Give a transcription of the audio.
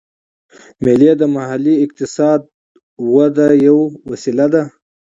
مېلې د محلي اقتصاد وده یوه وسیله ده.